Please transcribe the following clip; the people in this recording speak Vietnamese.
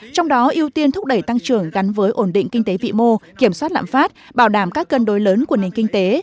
trong đó ưu tiên thúc đẩy tăng trưởng gắn với ổn định kinh tế vị mô kiểm soát lạm phát bảo đảm các cân đối lớn của nền kinh tế